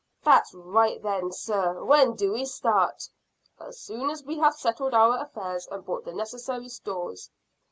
"That's right then, sir. When do we start?" "As soon as we have settled our affairs and bought the necessary stores."